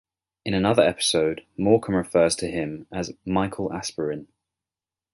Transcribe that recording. In another episode, Morecambe refers to him as "Michael Aspirin".